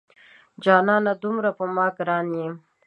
جانانه دومره په ما ګران یې